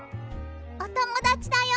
おともだちだよ。